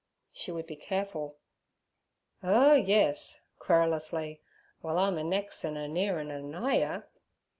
She would be careful. 'Oh yes' querulously, 'w'ile I'm a nex' an' a near an' a nigh yer.'